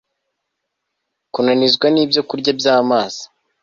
Kunanizwa nIbyokurya byAmazi